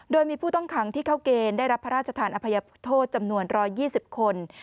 โดยมีผู้ต้องขังที่เข้าเกณฑ์ได้รับพระราชทานอภัยโทษจำนวน๑๒๐คน